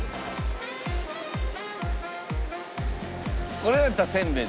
これやったらせんべい。